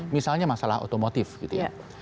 misalnya masalah otomotif gitu ya